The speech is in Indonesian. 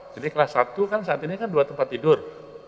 jadi kelas satu kan saat ini kan dua tempat tidur